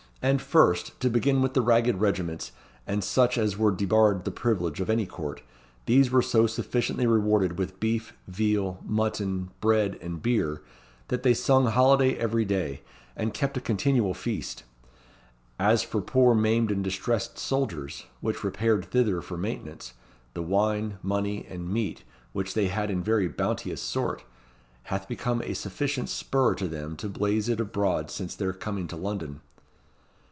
And first, to begin with the ragged regiments, and such as were debarred the privilege of any court, these were so sufficiently rewarded with beef, veal, mutton, bread, and beer, that they sung holiday every day, and kept a continual feast. As for poor maimed and distressed soldiers, which repaired thither for maintenance, the wine, money, and meat which they had in very bounteous sort, hath become a sufficient spur to them to blaze it abroad since their coming to London."